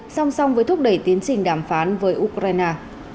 song song với thúc đẩy tiến trình đàm phán với ukraine